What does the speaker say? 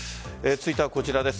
続いては、こちらです。